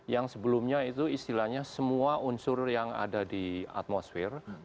yang sebelumnya itu istilahnya semua unsur yang ada di atmosfer